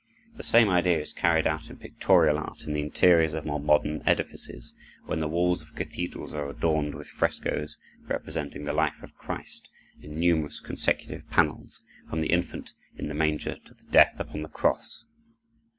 The same idea is carried out in pictorial art in the interiors of more modern edifices, when the walls of cathedrals are adorned with frescoes representing the life of Christ, in numerous consecutive panels, from the infant in the manger to the death upon the cross.